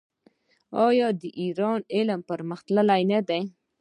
آیا د ایران علم پرمختللی نه دی؟